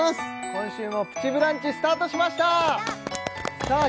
今週も「プチブランチ」スタートしましたさあ